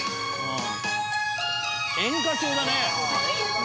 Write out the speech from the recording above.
演歌調だね。